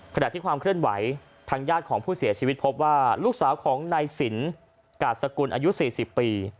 ขณะที่ความเคลื่อนไหวทางญาติของผู้เสียชีวิตพบว่าลูกสาวของนายสินกาศสกุลอายุ๔๐ปี